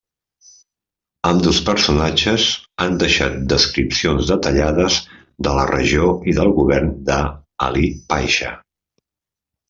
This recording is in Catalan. Ambdós personatges han deixat descripcions detallades de la regió i del govern d'Alí Paixà.